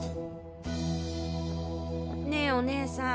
ねえお姉さん。